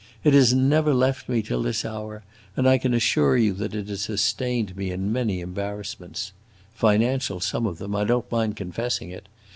It has never left me till this hour, and I can assure you that it has sustained me in many embarrassments. Financial, some of them; I don't mind confessing it!